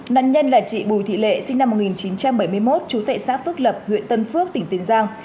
nạn nhân là chị bùi thị lệ sinh năm một nghìn chín trăm bảy mươi một trú tại xã phước lập huyện tân phước tỉnh tiền giang